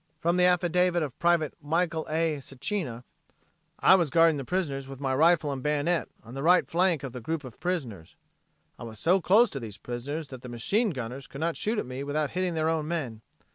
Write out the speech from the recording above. From the affidavit by Private Michael A. Sacina: "I was guarding the prisoners with my rifle and bayonet on the right flank of the group of prisoners. I was so close to these prisoners that the machine gunners could not shoot at me without hitting their own men.